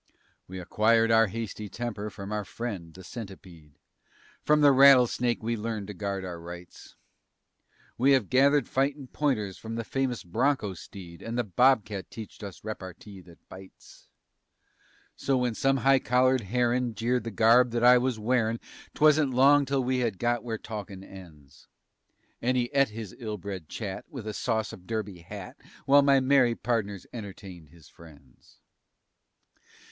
We acquired our hasty temper from our friend, the centipede. From the rattlesnake we learnt to guard our rights. We have gathered fightin' pointers from the famous bronco steed And the bobcat teached us reppertee that bites. So when some high collared herrin' jeered the garb that I was wearin' 'Twas't long till we had got where talkin' ends, And he et his illbred chat, with a sauce of derby hat, While my merry pardners entertained his friends.